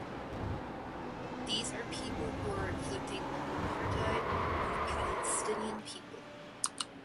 These are people who are inflicting apartheid on the Palestinian people.